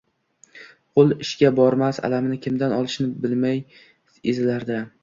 Qo’li ishga bormas, alamini kimdan olishni bilmay ezilardi.